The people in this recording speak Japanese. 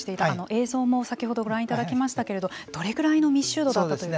映像も先ほどご覧いただきましたけれどもどれぐらいの密集度だったという。